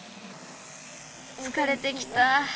つかれてきた。